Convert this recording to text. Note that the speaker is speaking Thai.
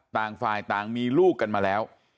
ต่างฝ่ายต่างมีลูกกันมาแล้ว